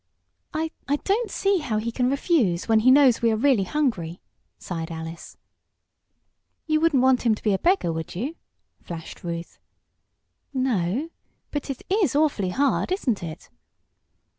"I I don't see how he can refuse, when he knows we are really hungry!" sighed Alice. "You wouldn't want him to be a beggar; would you?" flashed Ruth. "No. But it's awfully hard; isn't it?"